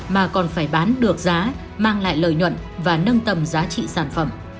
mà còn phải bán được giá mang lại lợi nhuận và nâng tầm giá trị sản phẩm